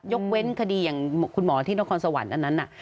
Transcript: ยกเว้นคดีอย่างครุศมอทืระหน้าคอนสวรรค์นั้นน่ะ